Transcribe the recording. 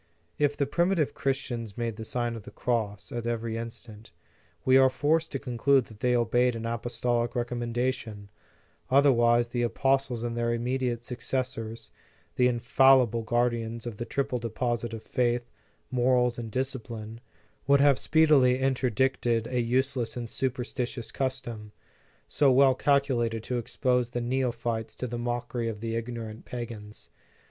If then the primitive Christians made the Sign ot the Cross at every instant, we are forced to conclude that they obeyed an apostolic recommendation ; otherwise the apostles and their immediate successors, the infallible guardians of the triple deposit of faith, morals, and discipline, would have speedily interdicted a useless and supersti In the Nineteenth Century. 37 tious custom, so well calculated to expose the neophytes to the mockery of the ignorant pagans.